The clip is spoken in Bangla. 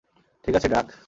ঠিক আছে, ড্রাক।